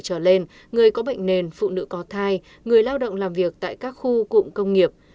trở lên người có bệnh nền phụ nữ có thai người lao động làm việc tại các khu cụm công nghiệp